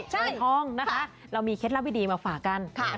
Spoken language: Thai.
ใช่ค่ะมีเคล็ดลับวิธีมาฝากันนะคะเรามีเคล็ดลับวิธีมาฝากัน